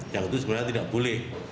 yang itu sebenarnya tidak boleh